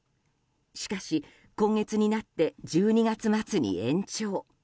しかし、今月になって１２月末に延長。